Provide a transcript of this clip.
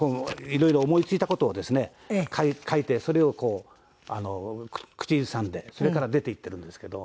いろいろ思い付いた事をですね書いてそれをこう口ずさんでそれから出ていってるんですけど。